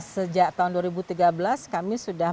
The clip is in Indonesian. sejak tahun dua ribu tiga belas kami sudah